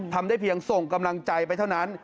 ทำได้เพียงส่งกำลังใจไปเท่านั้น